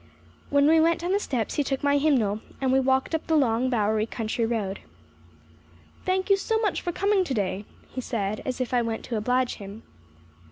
When we went down the steps he took my hymnal, and we walked up the long, bowery country road. "Thank you so much for coming today," he said as if I went to oblige him.